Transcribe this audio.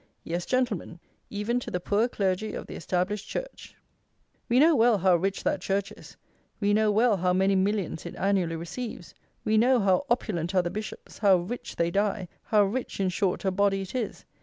Yes, Gentlemen, even to the poor clergy of the established Church. We know well how rich that Church is; we know well how many millions it annually receives; we know how opulent are the bishops, how rich they die; how rich, in short, a body it is.